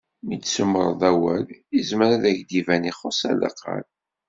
Mi d-tsumreḍ awal, yezmer ad ak-d-iban ixuss ar deqqal.